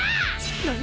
何！？